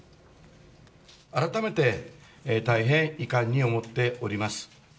改めて、大変遺憾に思っております。